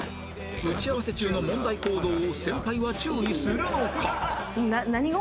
打ち合わせ中の問題行動を先輩は注意するのか？